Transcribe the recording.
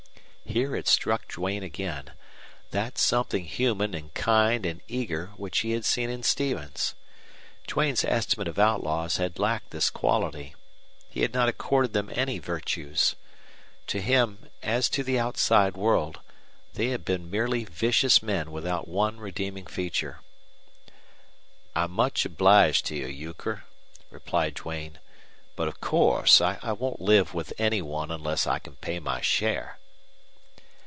Here it struck Duane again that something human and kind and eager which he had seen in Stevens. Duane's estimate of outlaws had lacked this quality. He had not accorded them any virtues. To him, as to the outside world, they had been merely vicious men without one redeeming feature. "I'm much obliged to you, Euchre," replied Duane. "But of course I won't live with any one unless I can pay my share."